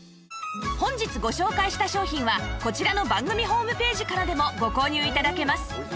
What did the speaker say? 本日ご紹介した商品はこちらの番組ホームページからでもご購入頂けます